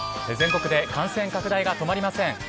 全国で感染拡大が止まりません。